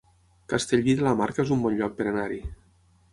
Castellví de la Marca es un bon lloc per anar-hi